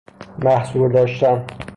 محصور داشتن